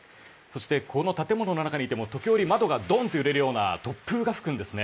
そしてこの建物の中にいても時折、窓がドーンと揺れるような突風が吹くんです。